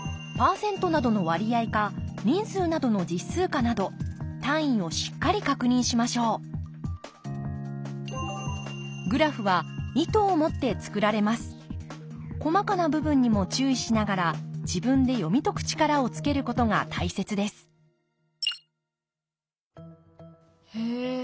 ％などの割合か人数などの実数かなど単位をしっかり確認しましょう細かな部分にも注意しながら自分で読み解く力をつけることが大切ですへえ。